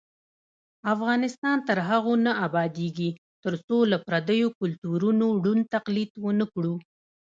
افغانستان تر هغو نه ابادیږي، ترڅو له پردیو کلتورونو ړوند تقلید ونکړو.